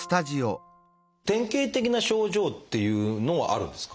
典型的な症状っていうのはあるんですか？